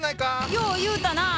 よう言うたなあ！